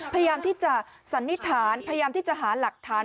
พยายามที่จะสันนิษฐานพยายามที่จะหาหลักฐาน